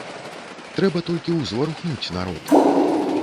Трэба толькі ўзварухнуць народ.